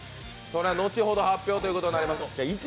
それは後ほど発表ということになります。